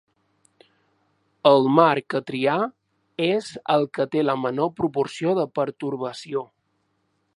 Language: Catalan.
El marc a triar és el que té la menor proporció de pertorbació.